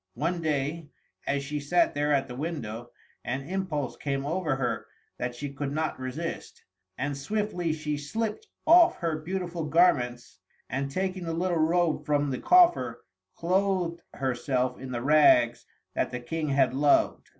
One day, as she sat there at the window, an impulse came over her that she could not resist, and swiftly she slipped off her beautiful garments, and taking the little robe from the coffer, clothed herself in the rags that the King had loved.